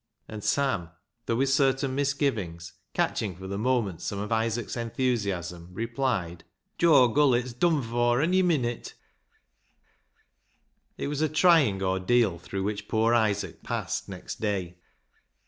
" And Sam, though with certain misgivings, ISAAC'S ANGEL 251 catching for the moment some of Isaac's en thusiasm, replied —" Joe Gullett's dun fur ony minit." It was a trying ordeal through which poor Isaac passed next day.